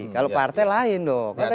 kalau partai lain dong